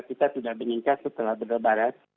kita sudah meningkat setelah berlebaran